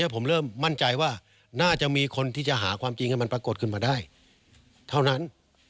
ผมเริ่มมั่นใจว่าน่าจะมีคนที่จะหาความจริงให้มันปรากฏขึ้นมาได้เท่านั้น